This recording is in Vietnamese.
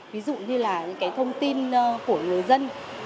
ví dụ như là những cái thông tin của người dân